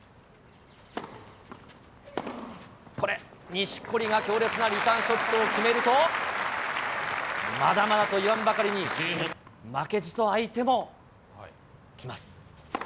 これ、錦織が強烈なリターンショットを決めると、まだまだといわんばかりに、負けじと相手もきます。